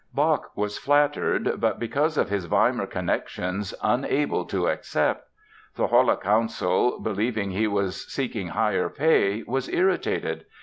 Bach was flattered but, because of his Weimar connections, unable to accept. The Halle council, believing he was seeking higher pay, was irritated.